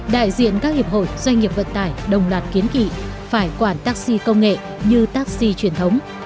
đại diện các hiệp hội doanh nghiệp vận tải đồng loạt kiến nghị phải quản taxi công nghệ như taxi truyền thống